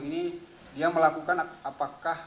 ini dia melakukan apakah